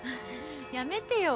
やめてよ。